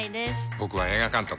僕は映画監督。